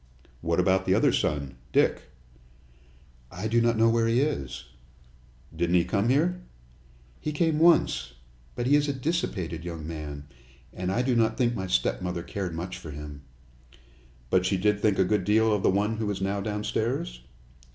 "What about the other son Dick?" "I do not know where he is." "Didn't he come here?" "He came once. But he is a dissipated young man, and I do not think my stepmother cared much for him." "But she did think a good deal of the one who is now downstairs?"